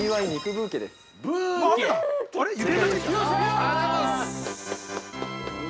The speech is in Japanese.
◆ありがとうございます。